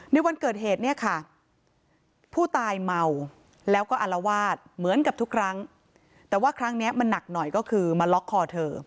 ในวันเกิดเหตุเนี่ยค่ะผู้ตายเมาแล้วก็อารวาสเหมือนกับทุกครั้งแต่ว่าครั้งนี้มันหนักหน่อยก็คือมาล็อกคอเธอ